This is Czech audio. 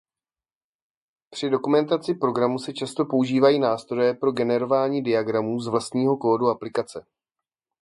Při dokumentaci programu se často používají nástroje pro generování diagramů z vlastního kódu aplikace.